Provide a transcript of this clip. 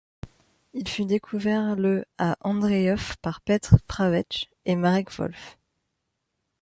Il fut découvert le à Ondřejov par Petr Pravec et Marek Wolf.